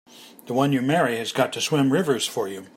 The one you marry has got to swim rivers for you!